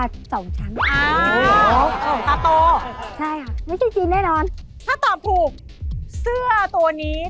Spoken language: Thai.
อ้าว